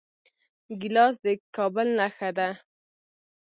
ګیلاس د کابل نښه ده.